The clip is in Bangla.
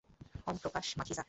ওম প্রকাশ মাখিজা।